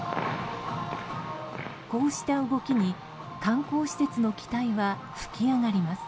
こうした動きに観光施設の期待は吹き上がります。